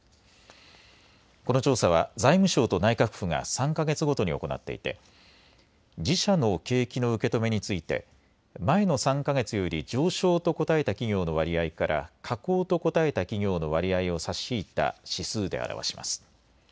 この調査は財務省と内閣府が３か月ごとに行っていて自社の景気の受け止めについて前の３か月より上昇と答えた企業の割合から下降と答えた企業の割合を差し引いた指数で表します。